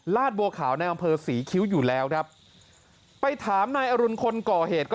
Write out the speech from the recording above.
บัวขาวในอำเภอศรีคิ้วอยู่แล้วครับไปถามนายอรุณคนก่อเหตุก็